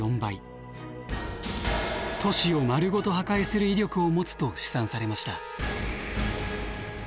都市を丸ごと破壊する威力を持つと試算されました。